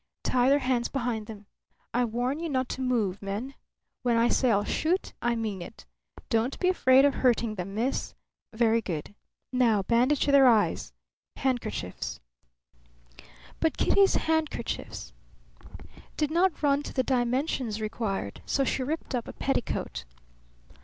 "Tie their hands behind them... I warn you not to move, men. When I say I'll shoot I mean it. Don't be afraid of hurting them, miss. Very good. Now bandage their eyes. Handkerchiefs." But Kitty's handkerchiefs did not run to the dimensions' required; so she ripped up a petticoat.